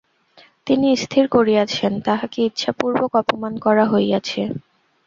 তিনি স্থির করিয়াছেন, তাঁহাকে ইচ্ছাপূর্বক অপমান করা হইয়াছে।